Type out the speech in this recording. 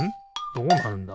どうなるんだ？